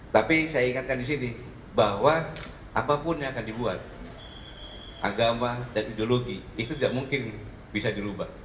tapi saya ingatkan di sini bahwa apapun yang akan dibuat agama dan ideologi itu tidak mungkin bisa dirubah